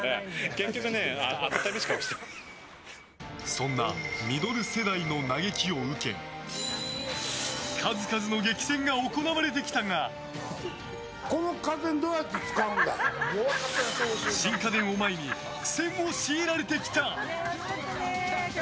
そんなミドル世代の嘆きを受け数々の激戦が行われてきたが新家電を前に苦戦を強いられてきた。